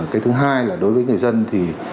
cái thứ hai là đối với người dân thì